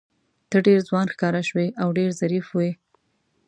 ته ډېر ځوان ښکاره شوې او ډېر ظریف وې.